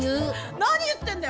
何言ってんだよ